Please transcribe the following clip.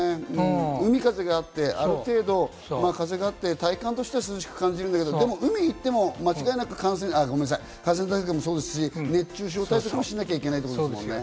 海風があって、ある程度風があって体感としては涼しく感じるんだけど、海に行っても間違いなく感染対策もそうですし、熱中症対策もしなきゃいけないですね。